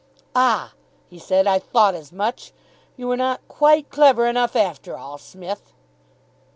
"Ah," he said. "I thought as much. You were not quite clever enough, after all, Smith."